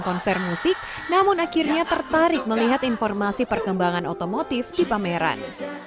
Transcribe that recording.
konser musik namun akhirnya tertarik melihat informasi perkembangan otomotif di pameran